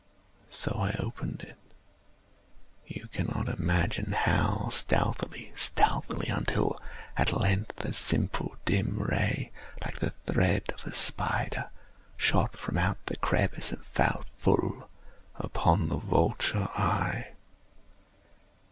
So I opened it—you cannot imagine how stealthily, stealthily—until, at length a simple dim ray, like the thread of the spider, shot from out the crevice and fell full upon the vulture eye.